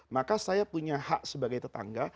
maka saya punya hak sebagai tetangga